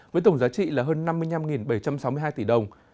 với tổng giá trị là hơn năm mươi năm bảy trăm sáu mươi hai tỷ đồng